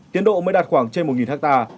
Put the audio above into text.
tiến độ mới đạt khoảng trên một hectare